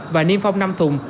và niêm phong năm thùng